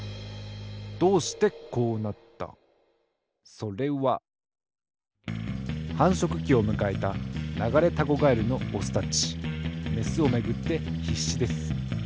それははんしょくきをむかえたナガレタゴガエルのオスたちメスをめぐってひっしです。